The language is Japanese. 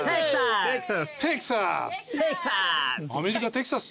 テキサース！